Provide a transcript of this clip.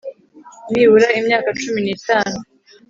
nibura imyaka cumi n’itanu